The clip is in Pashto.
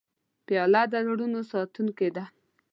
پیاله د رازونو ساتونکې ده.